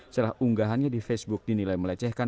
setelah unggahannya di facebook dinilai melecehkan